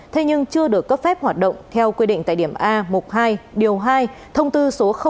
thế nhưng chưa được cấp phép hoạt động theo quy định tại điểm a một mươi hai điều hai thông tư số chín mươi hai nghìn một mươi bốn